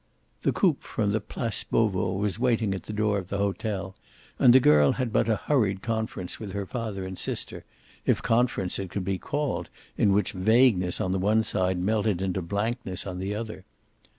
The coupe from the Place Beauvau was waiting at the door of the hotel, and the girl had but a hurried conference with her father and sister if conference it could be called in which vagueness on the one side melted into blankness on the other.